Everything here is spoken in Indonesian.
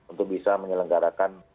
untuk bisa menyelenggarakan